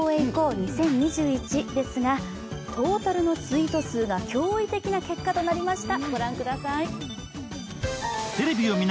２０２１」ですが、トータルのツイート数が驚異的な結果となりました。